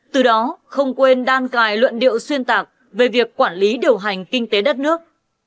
từ đó không quên đan cài luận điệu xuyên tạc về việc quản lý điều hành kinh tế đất nước